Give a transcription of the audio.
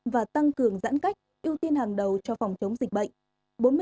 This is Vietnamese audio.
và tăng cường giãn cách ưu tiên hàng đầu cho phòng chống dịch bệnh